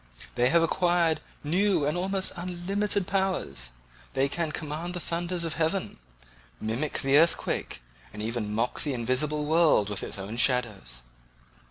They have acquired new and almost unlimited powers; they can command the thunders of heaven, mimic the earthquake, and even mock the invisible world with its own shadows."